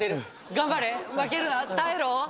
頑張れ負けるな耐えろ